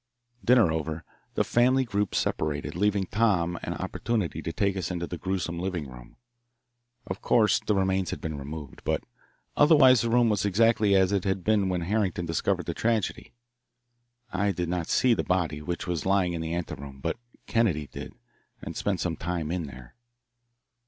Dinner over, the family group separated, leaving Tom an opportunity to take us into the gruesome living room. Of course the remains had been removed, but otherwise the room was exactly as it had been when Harrington discovered the tragedy. I did not see the body, which was lying in an anteroom, but Kennedy did, and spent some time in there.